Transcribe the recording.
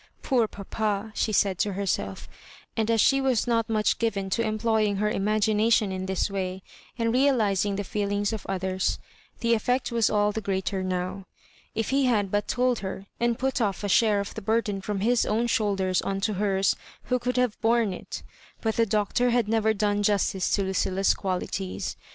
" Poor papa 1 " she said to herself ; and as she was not much given to employing her imagination in this way, and real ising the feelhog of others, the effect was all the greater now. If he had but told her< and put ofif a share of the burd^i from his own shoulders on to hers who oould have bohie it I but the Doctor had never done justioe to LndUa's qualities.